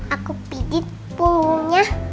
aku pijit punggungnya